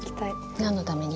何のために？